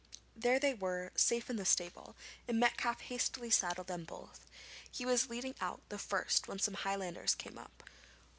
There they were, safe in the stable, and Metcalfe hastily saddled them both. He was leading out the first when some Highlanders came up.